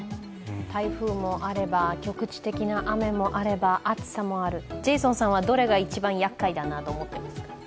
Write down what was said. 台風もあれば局地的な雨もあれば暑さもある、ジェイソンさんはどれが一番やっかいだなと思いますか。